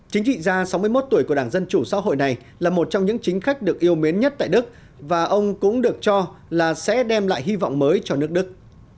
chính trị gia sáu mươi một tuổi của đảng dân chủ xã hội này là một trong những chính khách được yêu mến nhất tại đức và ông cũng được cho là sẽ đem lại hy vọng mới cho nước đức